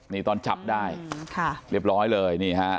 นี่ตอนจับได้เรียบร้อยเลยนี่ฮะ